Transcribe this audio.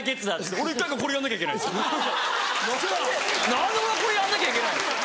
何でこれやんなきゃいけない！